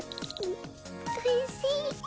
おいしい。